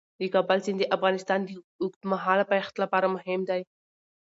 د کابل سیند د افغانستان د اوږدمهاله پایښت لپاره مهم دی.